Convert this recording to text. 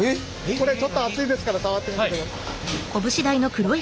これちょっと熱いですから触ってみてください。